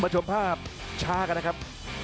ชมภาพช้ากันนะครับ